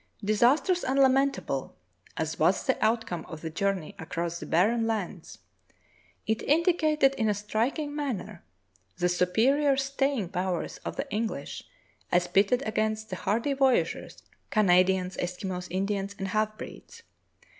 Disastrous and lamentable as was the outcome of the journey across the barren lands, it indicated in a striking manner the superior staying powers of the Eng lish as pitted against the hardy voyageurs — Canadians, Eskimos, Indians, and half breeds.